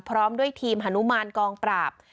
พร้อมด้วยทีมฮานุมานกองปราบ